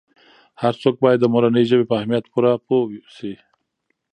هر څوک باید د مورنۍ ژبې په اهمیت پوره پوه سي.